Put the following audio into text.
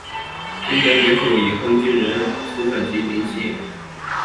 金钱别墅已婚军人宿舍及林夕。